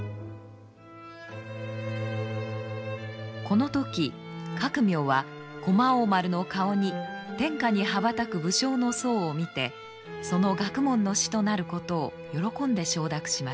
この時覚明は駒王丸の顔に天下に羽ばたく武将の相を見てその学問の師となることを喜んで承諾しました。